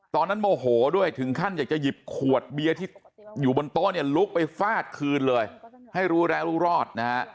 โมโหด้วยถึงขั้นอยากจะหยิบขวดเบียร์ที่อยู่บนโต๊ะเนี่ยลุกไปฟาดคืนเลยให้รู้แล้วรู้รอดนะฮะ